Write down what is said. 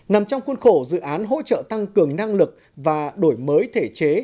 nằm trong khuôn khổ dự án hỗ trợ tăng cường năng lực và đổi mới thể chế